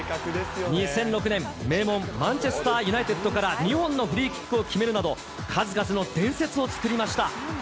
２００６年、名門、マンチェスター・ユナイテッドから２本のフリーキックを決めるなど、数々の伝説を作りました。